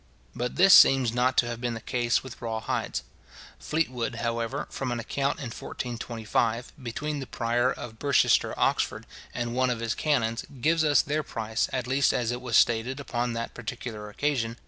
But this seems not to have been the case with raw hides. Fleetwood, however, from an account in 1425, between the prior of Burcester Oxford and one of his canons, gives us their price, at least as it was stated upon that particular occasion, viz.